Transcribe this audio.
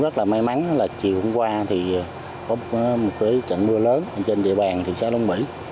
có một trận mưa lớn trên địa bàn thị xã long mỹ